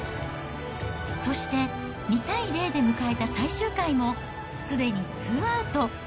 そして、２対０で迎えた最終回も、すでにツーアウト。